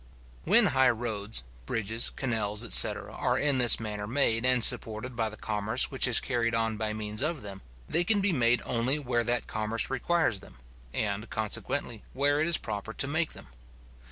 When high roads, bridges, canals, etc. are in this manner made and supported by the commerce which is carried on by means of them, they can be made only where that commerce requires them, and, consequently, where it is proper to make them.